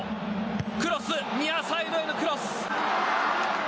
クロスニアサイドへのクロス。